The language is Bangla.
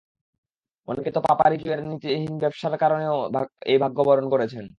অনেকে তো পাপা রিজওয়ের নীতিহিন ব্যবসায়ের কারণেও এই ভাগ্য বরণ করেছেন!